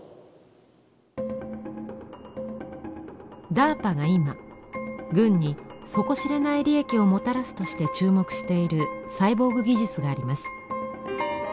ＤＡＲＰＡが今軍に底知れない利益をもたらすとして注目しているサイボーグ技術があります。